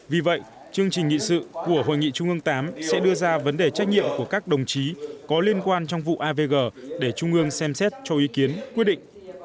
vì vậy chương trình nghị sự của hội nghị trung ương viii sẽ đưa ra vấn đề trách nhiệm của các đồng chí có liên quan trong vụ avg để trung ương xem xét cho ý kiến quyết định